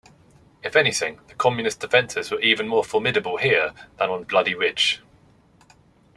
If anything, the Communist defenses were even more formidable here than on Bloody Ridge.